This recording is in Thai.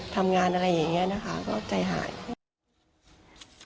ทำงานอะไรอย่างนี้นะคะก็ใจหาย